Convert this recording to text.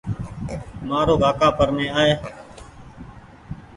مآ رو ڪآڪآ پرمي آئي